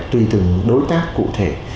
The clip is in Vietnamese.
tùy từng đối tác cụ thể